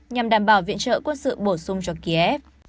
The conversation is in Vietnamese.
nhằm đảm bảo viện trợ quân sự bổ sung cho kiev